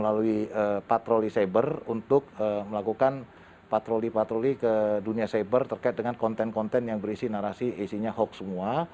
kemudian juga yang kedua bagaimana polri melalui patroli cyber untuk melakukan patroli patroli ke dunia cyber terkait dengan konten konten yang berisi narasi isinya hoax semua